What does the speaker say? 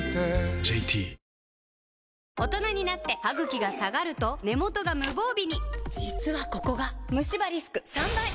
ＪＴ大人になってハグキが下がると根元が無防備に実はここがムシ歯リスク３倍！